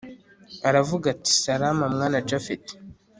aravuga ati salama mwana japhet